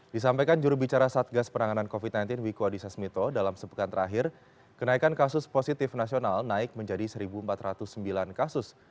disampaikan jurubicara satgas penanganan covid sembilan belas wiku adhisa smito dalam sepekan terakhir kenaikan kasus positif nasional naik menjadi satu empat ratus sembilan kasus